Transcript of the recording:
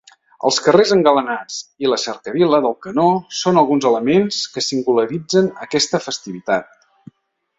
Els carrers engalanats i la cercavila del canó són alguns elements que singularitzen aquesta festivitat.